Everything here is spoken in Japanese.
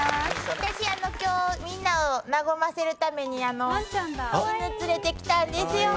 私今日みんなを和ませるために犬連れてきたんですよ。